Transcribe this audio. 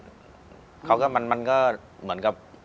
ที่ผ่านมาที่มันถูกบอกว่าเป็นกีฬาพื้นบ้านเนี่ย